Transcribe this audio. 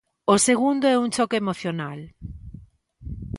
O segundo é un choque emocional.